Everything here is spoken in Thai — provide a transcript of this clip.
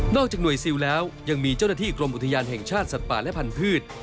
จากหน่วยซิลแล้วยังมีเจ้าหน้าที่กรมอุทยานแห่งชาติสัตว์ป่าและพันธุ์